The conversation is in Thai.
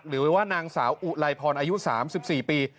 หรือว่านางสาวอุไลพรอายุ๓๔ปี